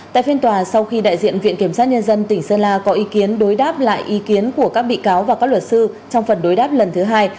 tại phiên tòa sau khi đại diện viện kiểm sát nhân dân tỉnh sơn la có ý kiến đối đáp lại ý kiến của các bị cáo và các luật sư trong phần đối đáp lần thứ hai